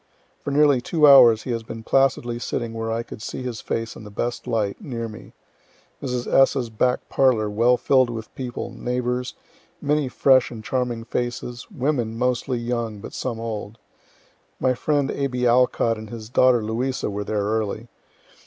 For nearly two hours he has been placidly sitting where I could see his face in the best light, near me. Mrs. S.'s back parlor well fill'd with people, neighbors, many fresh and charming faces, women, mostly young, but some old. My friend A. B. Alcott and his daughter Louisa were there early.